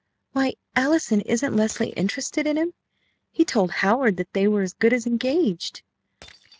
"Why, Allison, isn't Leslie interested in him? He told Howard that they were as good as engaged."